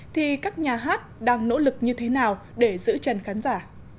thì các nhà hát đang nỗ lực như thế nào để giữ chân khán giả